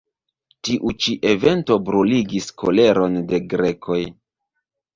Tiu ĉi evento bruligis koleron de grekoj.